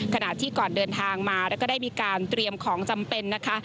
ขณะที่ก่อนเดินทางมาแล้วก็ได้มีการเตรียมของจำเป็นนะคะ